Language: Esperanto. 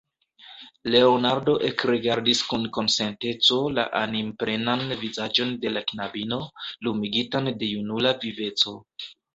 Leonardo ekrigardis kun konsenteco la animplenan vizaĝon de la knabino, lumigitan de junula viveco.